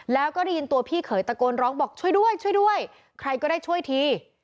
แล้วก็ได้ยินตัวพี่เขยตะโกนร้องบอกช่วยด้วยช่วยด้วยใครก็ได้ช่วยที